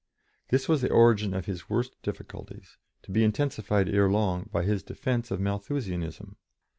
This was the origin of his worst difficulties, to be intensified, ere long, by his defence of Malthusianism.